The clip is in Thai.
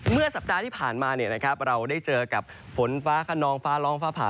สัปดาห์ที่ผ่านมาเราได้เจอกับฝนฟ้าขนองฟ้าร้องฟ้าผ่า